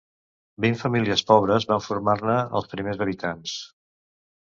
Vint famílies pobres van formar-ne els primers habitants.